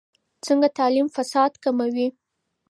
څنګه تعلیم فساد کموي؟